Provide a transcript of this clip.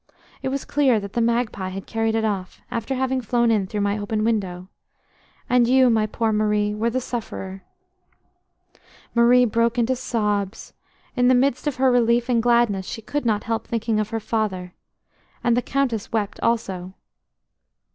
It was clear that the magpie had carried it off, after having flown in through my open window. And you, my poor Marie, were the sufferer." Marie broke into sobs. In the midst of her relief and gladness, she could not help thinking of her father. And the Countess wept also.